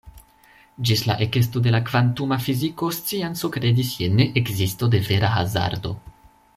Ĝis la ekesto de la kvantuma fiziko scienco kredis je ne-ekzisto de vera hazardo.